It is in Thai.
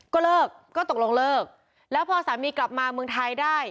ก็เลิกก็ตกลงเลิกแล้วพอสามีกลับมาเมืองไทยได้